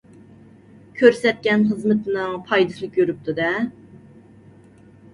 كۆرسەتكەن خىزمىتىنىڭ پايدىسىنى كۆرۈپتۇ-دە.